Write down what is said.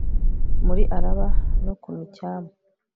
muri araba no ku micyamu